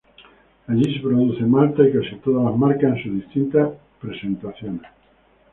Allí se produce malta y casi todas las marcas en sus distintas presentaciones.